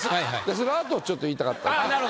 その後をちょっと言いたかった。